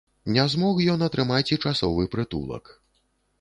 Не змог ён атрымаць і часовы прытулак.